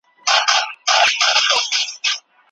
نو هغه وفرمايل: